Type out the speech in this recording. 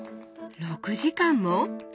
６時間も！？